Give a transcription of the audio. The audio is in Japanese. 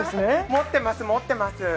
持ってます、持ってます。